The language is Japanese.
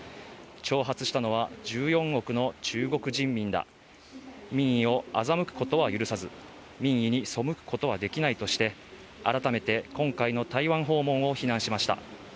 挑発したのは１４億の中国人民だ、民意を欺くことは許さず、民意に背くことはできないとして改めて今回の台湾訪問を非難しました。